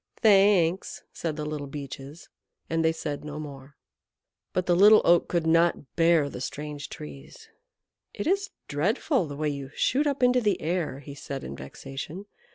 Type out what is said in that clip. "Thanks," said the Little Beeches, and they said no more. But the Little Oak could not bear the strange Trees. "It is dreadful the way you shoot up into the air," he said in vexation.